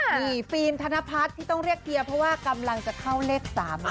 นี่ฟิล์มธนพัฒน์ที่ต้องเรียกเฮียเพราะว่ากำลังจะเข้าเลข๓